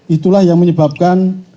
itulah yang menyebabkan